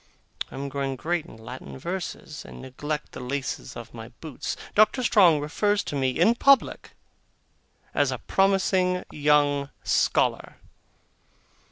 I am growing great in Latin verses, and neglect the laces of my boots. Doctor Strong refers to me in public as a promising young scholar.